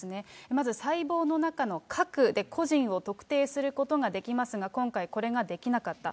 まず細胞の中の核で、個人を特定することができますが、今回、これができなかった。